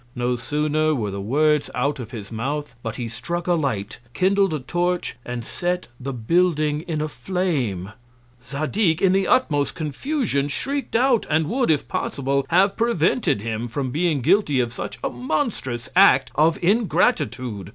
No sooner were the Words out of his Mouth, but he struck a Light, kindled a Torch, and set the Building in a Flame: Zadig, in the utmost Confusion, shriek'd out, and would, if possible, have prevented him from being guilty of such a monstrous Act of Ingratitude.